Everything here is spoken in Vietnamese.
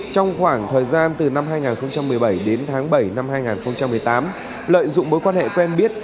trong khoảng thời gian từ năm hai nghìn một mươi bảy đến tháng bảy năm hai nghìn một mươi tám lợi dụng mối quan hệ quen biết